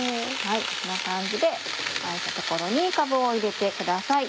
こんな感じで空いたところにかぶを入れてください。